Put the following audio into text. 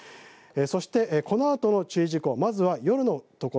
そしてこのあとの注意事項です。